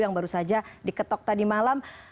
yang baru saja diketok tadi malam